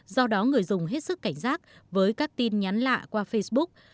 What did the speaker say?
do đó người dùng hết sức cảnh giác với các tin nhắn lạ qua facebook